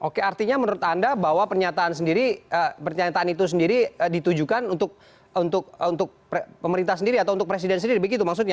oke artinya menurut anda bahwa pernyataan itu sendiri ditujukan untuk pemerintah sendiri atau untuk presiden sendiri begitu maksudnya